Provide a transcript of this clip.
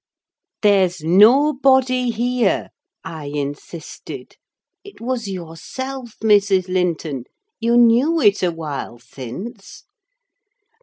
"There's nobody here!" I insisted. "It was yourself, Mrs. Linton: you knew it a while since."